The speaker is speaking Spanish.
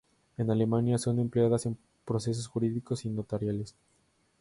En Alemania, son empleadas en procesos jurídicos y notariales.